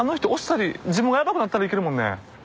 自分がヤバくなったらいけるもんね。